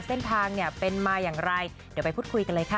เส้นทางเนี่ยเป็นมาอย่างไรเดี๋ยวไปพูดคุยกันเลยค่ะ